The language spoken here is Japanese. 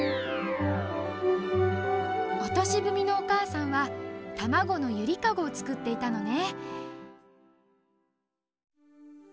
オトシブミのおかあさんはたまごのゆりかごをつくっていたのね。